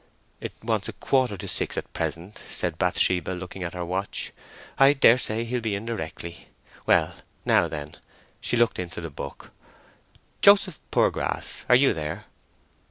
"It wants a quarter to six at present," said Bathsheba, looking at her watch. "I daresay he'll be in directly. Well, now then"—she looked into the book—"Joseph Poorgrass, are you there?"